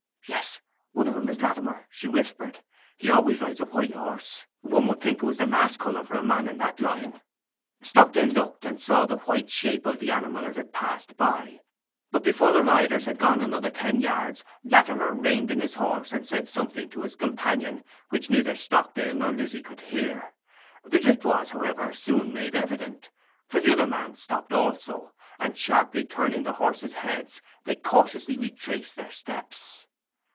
'Yes, one of 'em is Latimer,' she whispered. 'He always rides a white horse. One would think it was the last colour for a man in that line.' Stockdale looked, and saw the white shape of the animal as it passed by; but before the riders had gone another ten yards, Latimer reined in his horse, and said something to his companion which neither Stockdale nor Lizzy could hear. Its drift was, however, soon made evident, for the other man stopped also; and sharply turning the horses' heads they cautiously retraced their steps.